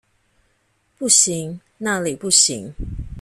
不行，那裡不行